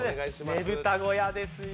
ねぶた小屋ですよ。